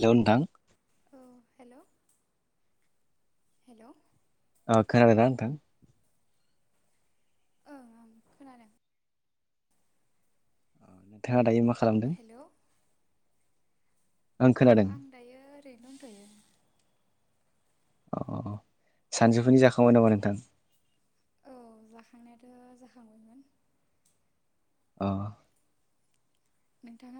Hello नोंथां। औ hello. Hello. खोनादों दा नोंथां। ओ ओ खोनादों। अ नोंथाङा दायो माखा ओ हेलौ आं खोनादों। दायो ओरैनो दंथ'यो। अ सानजौफुनि जाखांबाय नामा नोंथां? औ जाखांफुनाया थ' थाखांबाय मोन। अह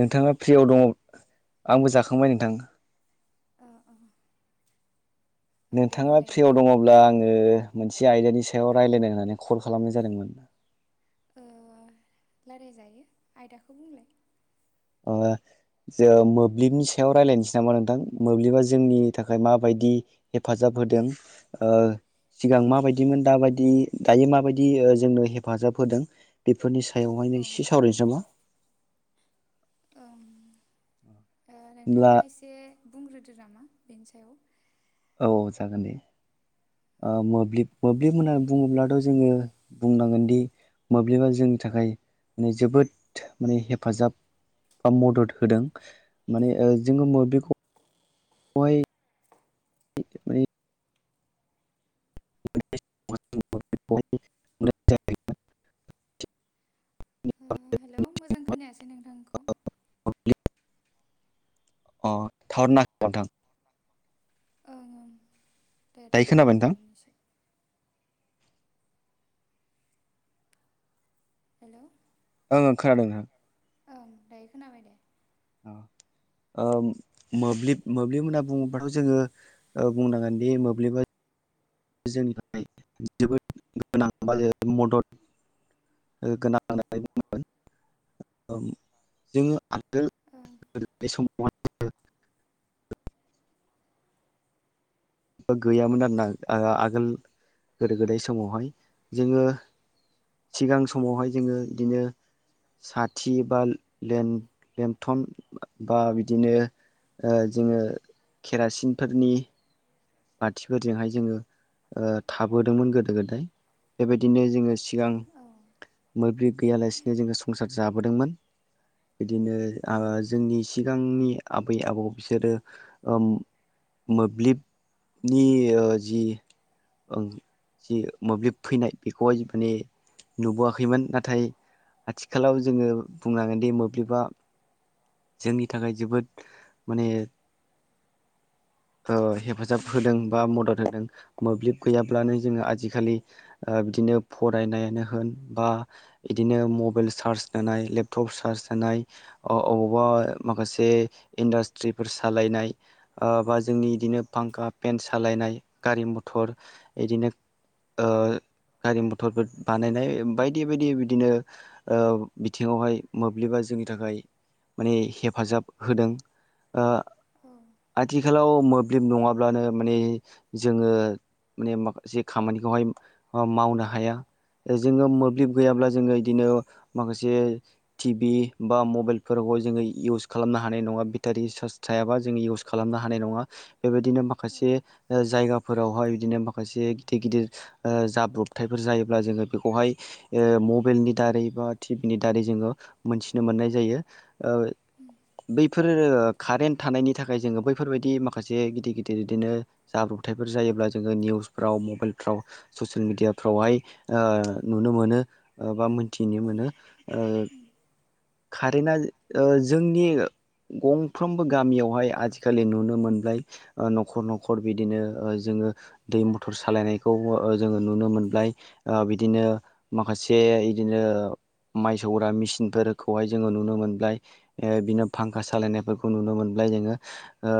नोंथाङा फ्रियाव दङ आंबो जाखांबाय नोंथां। अ अ नोंथाङा फ्रियाव नोंथां दङब्ला आङो मोनसे आयदानि सायाव राय्लायनो होननानै कल खालामनाय जादोंमोन। रायलायजायो आयदाखौ बुंलाय। अ जों मोब्लिबनि सायाव रायज्लायनोसै नामा नोंथां मोब्लिबा जोंनि थाखाय माबायदि हेफाजाब होदों ओ सिगां माबायदिमोन दाबायदि दायो माबायदि जोंनो हेफाजाब होदों बेफोरनि औ औ सायावहायनो एसे सावरायनोसै नामा? ओम ओ होमब्ला नोंथाङा एसे बुंग्रोदो नामा बेनि सायाव। औ जागोन दे। ओ मोब्लिब मोब्लिब होननानै बुङोब्लाथ' जोङो बुंनांगोनदि मोब्लिबा जोंनि‌ थाखाय जोबोद माने हेफाजाब मदद होदों माने ओ जोङो मोब्लिबखौहाय [inaudible] [unintelligible] ओम हेल' मोजां खोनायासै नोंथांखौ। अ थउर नाङाखै नोंथां ओं ओं दे दायो खोनाबाय नोंथां खोनाबायमोन एसे हेलौ ओं खोनादों नोंथां ओं दायो खोनाबाय दे। औ मोब्लिब मोब्लिब होनना बुङोबाथ' जोङो बुंनांगोनदि मोब्लिबा जोंनि थाखाय जोबोद गोनां एबा मदद [inaudible] जोङो ओं [unintelligible] गैयामोन आरोना आगोल गोदो गोदाय समावहाय जोङो सिगां ओं समावहाय ओं जोङो बिदिनो साथि बा लेम लेंथन बा बिदिनो ओ जोङो केरासिनफोरनि बाथिफोरजोंहाय जोङो थाबोदोंमोन गोदो गोदाय बेबायदिनो जोङो सिगां औ मोब्लिब गैयालासिनो जोङो संसार जाबोदोंमोन बिदिनो उम जोंनि सिगांनि आबै आबौ बिसोरो ओ मोब्लिब नि ओ जि जि मोब्लिब फैनाय बेखौहाय माने नुबोआखैमोन नाथाय आथिखालाव जोङो बुंनांगोनदि मोब्लिबा जोंनि थाखाय जोबोद माने हेफाजाब होदों बा मदद होदों मोब्लिब गैयाब्लानो जोङो आजिखालि ओबिदिनो फरायनायानो होन बा बिदिनो मबाइल चार्ज होनाय लेपटप चार्ज होनाय अअबावबा माखासे इन्डास्ट्रिफोर सालायनाय बिदिनो फांखा‌ पेन सालायनाय गारि मथर बिदिनो ओ गारि मथरफोर बानायनाय बायदि बायदि बिदिनो ओ बिथिं आवहाय मोब्लिबा जोंनि थाखाय माने हेफाजाब होदों ओ ओं आथिखालाव मोब्लिब नङाब्लानो माने जोङो माने माखासे खामानिखौहाय मावनो हाया जोङो मोब्लिब गैयाब्ला जोङो इदिनो माखासे टिभि बा मबाइलफोरखौ जोङो इउस खालामनो हानाय नङा बेटारि चार्ज थायाबा जोङो इउस खालामनो हानाय नङा बेबायदिनो औ माखासे ओ जायगा फोरावहाय बिदिनो माखासे गिदिर गिदिर ओ जाब्रबथायफोर जायोब्ला जोङो बेखौहाय ओ मबाइलनि दारै बा टिभि नि दारै जोङो मोनथिनो मोननाय जायो ओ बैफोर कारेन्ट थानायनि थाखाय जोङो बै बैफोरबायदि माखासे गिदिर गिदिर इदिनो जाब्रबथायफोर जायोब्ला जोङो निउ फ्राव मबाइलफ्राव ससियेल मिडियाफ्रावहाय ओ नुनो मोनो ओ बा‌ मोन थिनो मोनो ओ कारेन्टआ ओ जोंनि गंफ्रोमबो गामियावहाय आथि नुनो मोनबाय ओ न'खर न'खर बिदिनो ओ जोङो दै मथर सालायनायखौ ओ जोड़ो नुनो मोनबाय ओ बिदिनो माखासे इदिनो माइ सौग्रा मेसिनफोरखौहाय जोङो नुनो मोनबाय ओ बिनो फांखा सालायनायफोरखौ नुनो मोनबाय जोङो ओ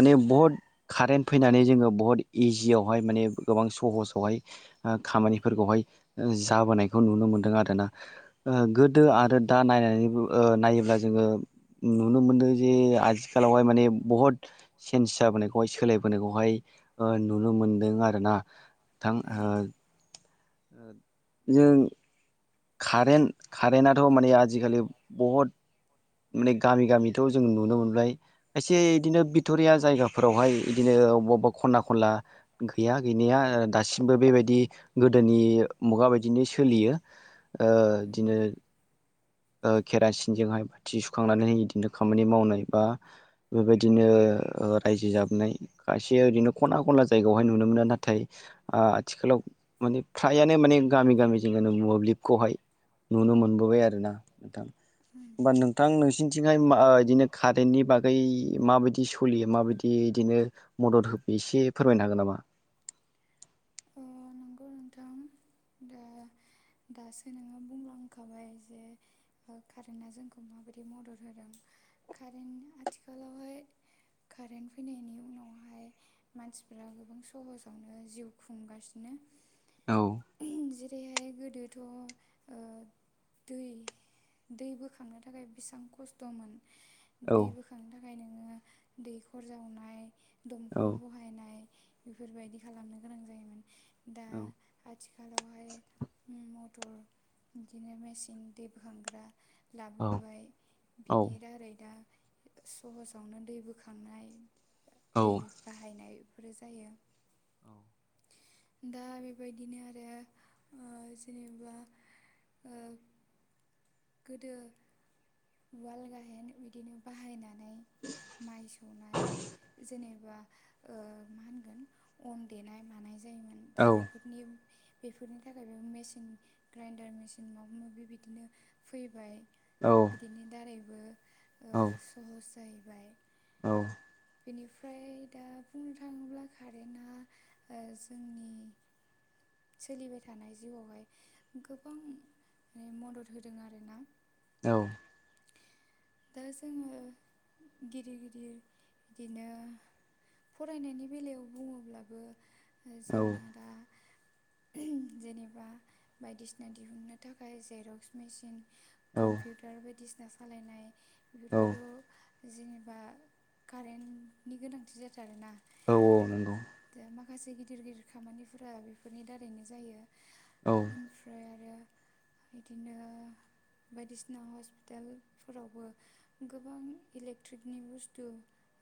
माने बहुद कारेन्ट फैनानै जोङो बहुत इजियावहाय माने गोबां सहसावहाय ओ खामानिफोरखौहाय ओ जाबोनायखौ नुनो मोनदों आरोना ओ गोदो आरो दा नायनानैबो ओ नायोब्ला जोङो नुनो मोनदोंजे आथिखालावहाय माने बहुत सेन्ज जाबोनायखौहाय सोलायबोनायखौहाय ओ नुनो मोनदों आरोना थां औ ओ जों कारेन्ट कारेन्ट आथ' माने आजिखालि बहुद माने गामि गामिथ' जों नुनो मोनबाय खायसे इदिनो भिट'रिया जायगाफोरावहाय इदिनो अबा अबेबा खना खनला गैया गैनाया ओ दासिमबो बेबायदि गोदोनि मुगा बायदिनो सोलियो ओ इदिनो ओ केरासिनजोंहाय बाथि सुखांनानै हो बिदिनो खामानि मावनाय बा बेबायदिनो ओ रायजो जाबोनाय खायसे ओरैनो खना खनला जायगायावहाय नुनो मोनो नाथाय ओ आथिखालाव माने फ्रायानो माने गामि गामिजों मोब्लिबखौहाय नुनो मोनबोबाय आरो ना नोंथां होमबा नोंथां नोंसिनिथिंहाय मा ओ बिदिनो कारेन्टनि बा बागै माबायदि सलियो माबायदि इदिनो मदद होफैयो एसे फोरमायनो हागोन नामा? ओ नंगौ नोंथां दा दासो नोङो बुंलांखाबाय जे ओ कारेन्टआ जोंखौ माबायदि मदद होदों कारेन्ट आथिखालावहाय कारेन्ट फैनायनि उनावहाय मानसिफोरा गोबां सहसावनो जिउ खुंगासिनो औ [unintelligible] बेहाय गोदोथ' ओ दै दै बोखांनो थाखाय बेसेबां खस्थ'मोन औ दै बोखांनो थाखाय नोङो दैखर जावनाय औ दमखल बहायनाय बेफोरबायदि खालामनो गोनां जायोमोन दा आथिखालावहाय मथर बिदिनो मेचिन दै बोखांग्रा औ लाबोबाय औ बेनि दारै दा सहसावनो दै बोखांनाय औ दै बाहायनाय‌ बेफोरो जायो। दा बेबायदिनो आरो ओ जेनेबा ओ गोदो उवाल-गाहेन बिदिनो बाहायनाय नाय माइ सौनाय जेनेबा मा होनगोन अन देनाय मानाय जायोमोन दा बेफोर नि बेफोरनि थाखाय बे मेसिन ग्राइन्डार मेचिन माबा माबि बिदिनो फैबाय। औ बिनि दारैबो सहस जाहैबाय। औ बेनिफ्राय दा बुंनो थाङोब्ला कारेन्टआ जोंनि सोलिबाय थानाय जिउआवहाय गोबां माने मदद होदों आरोना। औ दा जोङो गिदिर-गिदिर बिदिनो फरायनायनि बेलायाव बुङोब्लाबो औ जोंना दा जेनेबा बायदिसिना दिहुननो थाखाय जेर'क्स मेसिन औ कम्पिउ टार बायदिसिना सालायनाय औ बेफोरोथ जेनेबा कारेन्टनि गोनांथि जाथारो ना औ औ नंगौ दा माखासे गिदिर-गिदिर खामानिफोरा बेफोरनि दारैनो जायो। औ ओमफ्राय आरो बिदिनो बायदिसिना हस्पिटालफोरावबो गोबां इलेक्ट्रिकनि बुस्थु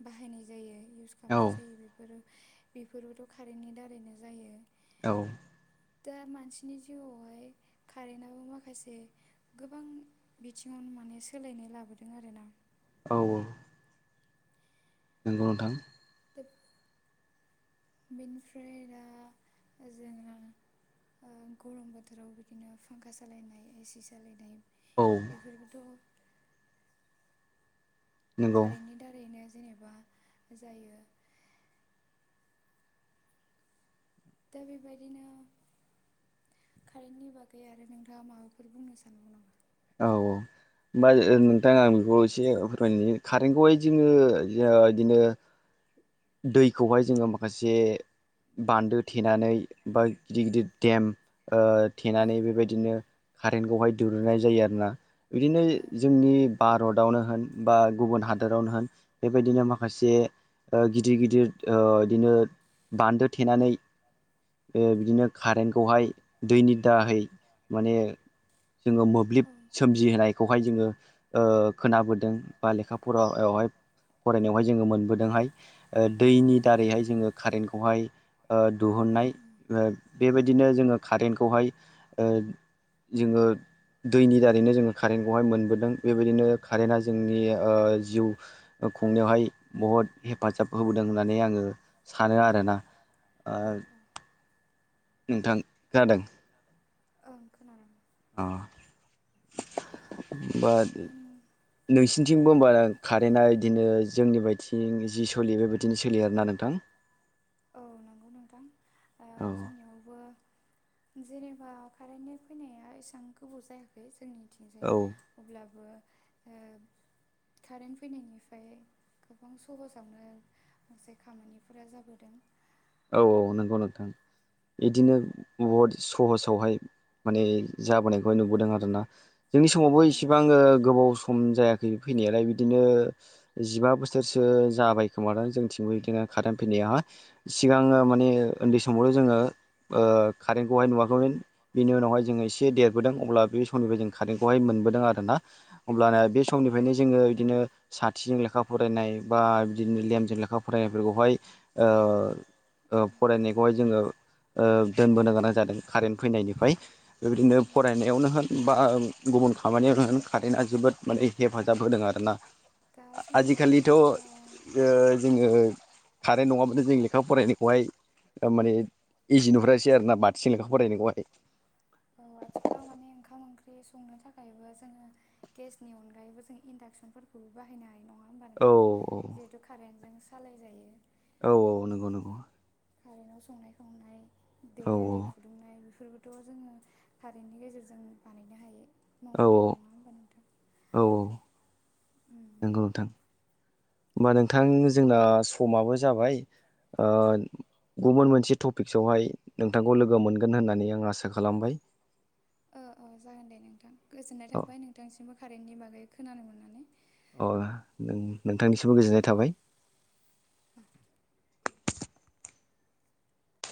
बाहायनाय जायो इस औ गामनाय जायो बेफोरो बेफोरबोथ' कारेन्टनि दारैनो जायो। औ दा मानसिनि जिउआवहाय कारेन्टाबो माखासे गोबां बिथिङाव माने सोलायनाय लाबोदों आरो ना। औ औ नोंगौ नोंथां बेनिफ्राय दा जोंहा गरम बोथोराव बिदिनो फांखा सालायनाय एसि सालायनाय औ एफोरबोथ' नंगौ कारेन्टनि दारैनो जेनेबा जायो। दा बेबायदिनो कारेन्टनि बागै आरो नोंथाङा माबाफोर बुंनो सानबावो नामा‌? औ औ होमबा नोंथां आं बेखौ एसे फोरमायनो कारेन्टखौहाय जोङो बिदिनो दैखौहाय जोङो माखासे बान्दो थेनानै बा गिदि- गिदिर देम थेनानै नामा बेबायदिनो कारेन्टखौहाय दिहुननाय जायो आरोना। बिदिनो ओं जोंनि भारतावनो होन बा गुबुन हादोरावनो होन बेबायदिनो माखासे ओ गिदिर गिदिर ओ इदिनो बान्दो थेनानै बे बिदिनो कारेन्टखौहाय दैनि दाहै माने जोङो मोब औ ब्लिब सोमजिहोनायखौहाय जोङो ओ खोनाबोदों बा लेखा फरायावहाय फरायनायावहाय जोङो मोनबोदोंहाय दैनि दारैहाय जोङो कारेन्टखौहाय ओ उम दुहुननाय उम उम बेबायदिनो जोङो कारेन्टखौहाय जोङो दैनि दारैनो जोङो कारेन्टखौहाय मोनबोदों बेबायदिनो कारेन्टआ जोंनि ओ जिउ खुंनायावहाय बहुद हेफाजाब होबोदों होननानै आङो सानो आरोना ओ औ औ नोंथां खोनादों ओं खोनादों अ' बाद नों नोंसिनिथिंबो होमबा कारेन्टआ बिदिनो जोंनि बायदिं जि सोलियो बेबायदिनो सोलियो आरोना नोंथां औ नंगौ नोंथां औ जोंनियावबो जेनेबा कारेन्टनि फैनाया एसां गोबाव जायाखै औ जोंनिथिंजाय अब्लाबो ओ कारेन्ट फैनायनिफ्राय गोबां सहसावनो माखासे खामानिफोरा जाबोदों औ औ नंगौ नोंथां इदिनो बहुद सहसावहाय माने जाबोनायखौहाय नुबोदों आरोना जोंनि समावबो औ एसेबां ओ गोबाव सम जायाखै फैनायालाय बिदिनो जिबा बोसोरसो जाबाय खोमादां जोंथिंबो इदिनो कारेन्ट फैनायाहाय औ सिगाङो माने औ उन्दै समावल' जोङो ओ कारेन्टखौहाय नुवाखैमोन बेनि उनावहाय जोङो एसे औ देरबोदों अब्ला बे समनिफ्राय जों कारेन्टखौहाय मोनबोदों आरो ना अब्लाना बे उम उम समनिफ्रायनो जोङो बिदिनो साथिजों लेखा फरायनाय बा बिदिनो लेमजों लेखा फरायनायफोरखौहाय ओ ओ औ फरायनायखौहाय जोङो ओ दोनबोनो गोनां जादों कारेन्ट फैनायनिफाय बिबायदिनो उम फरायनायावनो होन बा गुबुन खामानियावनो होन कारेन्टआ जोबोद माने हेफाजाब होदों आरो ना। दा जोंना आजिखालिथ' ओ जोंङो कारेन्ट नङाबानो जों लेखा फरायनायखौहाय माने इजि नुफेरासै आरो ना बाथिजों लेखा फरायनायखौहाय औ आथिखालाव माने ओंखाम ओंख्रि संनो थाखायबो जोङो गेसनि अनगायैबो जों इन्डाक्सनफोरखौबो बाहायनो हानाय नङा नङा होमबा औ नोंथां जिहेथु कारेन्टजों सालायजायो औ औ नंगौ नंगौ। कारेन्टआव संनाय खावनाय दै औ आरि फुदुंनाय बेफोरखौथ' जोङो कारेन्टनि गेजेरजों बानायनो हायो। औ मावनो हायो नङा होमबा नोंथां। औ नोंगौ नोंथां होमबा नोंथां जोंना समाबो जाबाय ओ गुबुन मोनसे टपिकसआवहाय नोंथांखौ लोगो मोनगोन होननानै आं आसा खालामबाय। ओ जागोन दे नोंथां गोजोननाय अ थाबाय नोंथांसिमबो कारेन्टनि बागै खोनानो मोननानै अ नों नोंथांनिसिमबो गोजोननाय थाबाय।